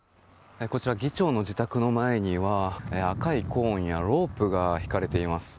こちら議長の自宅の前には赤いコーンやロープが引かれています。